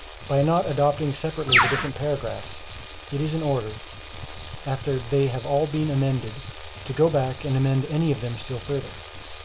By not adopting separately the different paragraphs, it is in order, after they have all been amended, to go back and amend any of them still further.